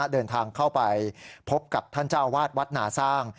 เดินทางเข้าไปพบกับท่านเจ้าวาดวัดหนาสร้าง